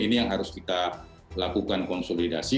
ini yang harus kita lakukan konsolidasi